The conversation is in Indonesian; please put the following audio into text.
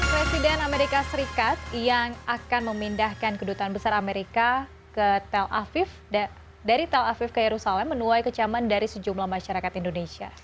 presiden amerika serikat yang akan memindahkan kedutaan besar amerika ke tel aviv dari tel aviv ke yerusalem menuai kecaman dari sejumlah masyarakat indonesia